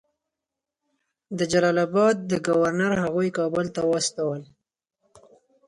د جلال آباد ګورنر هغوی کابل ته واستول.